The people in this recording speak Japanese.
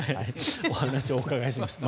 お話をお伺いしました。